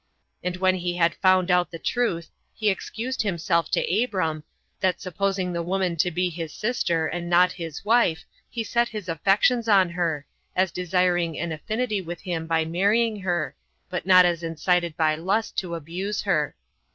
And when he had found out the truth, he excused himself to Abram, that supposing the woman to be his sister, and not his wife, he set his affections on her, as desiring an affinity with him by marrying her, but not as incited by lust to abuse her.